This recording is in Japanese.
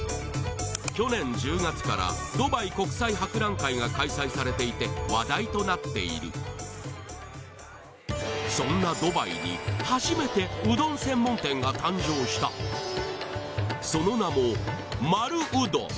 去年１０月からドバイ国際博覧会が開催されていて話題となっているそんなドバイに初めてうどん専門店が誕生したその名もＭＡＲＵＵＤＯＮ